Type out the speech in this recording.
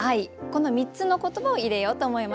この３つの言葉を入れようと思いました。